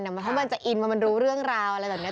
เพราะมันจะอินพอมันรู้เรื่องราวอะไรแบบนี้